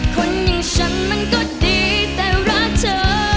คนอย่างฉันมันก็ดีแต่รักเธอ